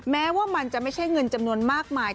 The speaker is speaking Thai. แม้ว่ามันจะไม่ใช่เงินจำนวนมากมาย